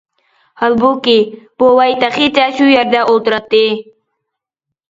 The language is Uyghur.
ھالبۇكى، بوۋاي تېخىچە شۇ يەردە ئولتۇراتتى.